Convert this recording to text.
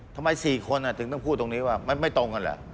ทำไม๔คนถึงต้องพูดตรงนี้ว่ามันไม่ตรงกันเหรอ